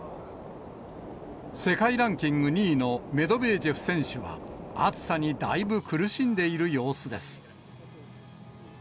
世界ランキング２位のメドベージェフ選手は、暑さにだいぶ苦しんでいる様子です。